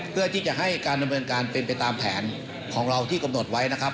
เพื่อที่จะให้การดำเนินการเป็นไปตามแผนของเราที่กำหนดไว้นะครับ